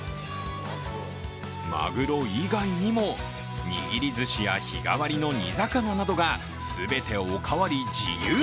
マグロ以外にも、にぎりずしや日替わりの煮魚などが、全ておかわり自由。